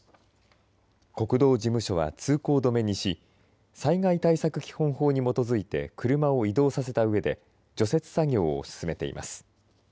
国道事務所は通行止めにし災害対策基本法に基づいて車を移動させたうえで除雪作業を進めています。